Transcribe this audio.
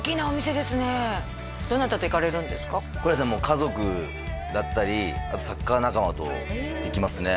家族だったりあとサッカー仲間と行きますね